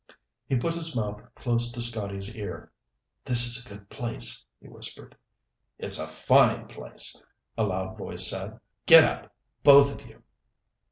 He put his mouth close to Scotty's ear. "This is a good place," he whispered. "It's a fine place," a loud voice said. "Get up, both of you!"